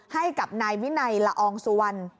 ให้กับนายวินัยละอองสุวรรณ